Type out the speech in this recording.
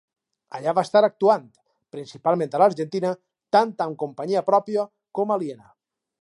Allà va estar actuant, principalment a l'Argentina, tant amb companyia pròpia com aliena.